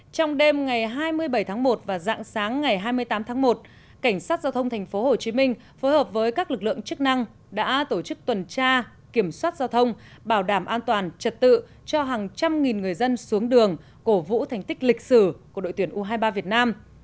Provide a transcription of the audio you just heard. trong đêm ngày hai mươi bảy tháng một và dạng sáng ngày hai mươi tám tháng một cảnh sát giao thông tp hcm phối hợp với các lực lượng chức năng đã tổ chức tuần tra kiểm soát giao thông bảo đảm an toàn trật tự cho hàng trăm nghìn người dân xuống đường cổ vũ thành tích lịch sử của đội tuyển u hai mươi ba việt nam